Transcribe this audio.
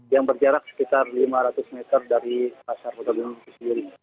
yang berjarak sekitar lima ratus meter dari pasar kota bumi